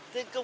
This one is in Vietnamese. thì cũng vậy